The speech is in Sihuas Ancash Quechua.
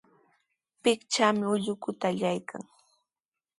Pichqaqmi ullukuta allaykaayan.